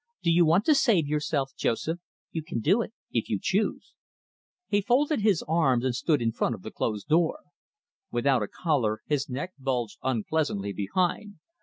"Do you want to save yourself, Joseph? You can do it if you choose." He folded his arms and stood in front of the closed door. Without a collar, his neck bulged unpleasantly behind.